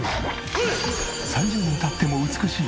３０年経っても美しい！